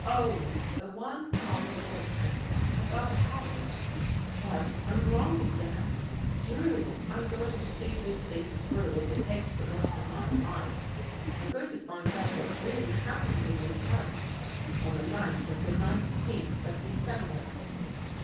" Always the one contradiction. I thought I had it. But I'm wrong again. Drew, I'm going to see this thing through, if it takes the rest of my life. I'm going to find out what really happened in this house on the night of the nineteenth of December."